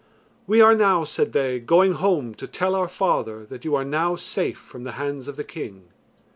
"We are now," said they, "going home to tell our father that you are now safe from the hands of the king."